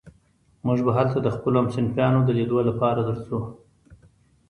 موږ به هلته د خپلو همصنفيانو د ليدو لپاره درځو.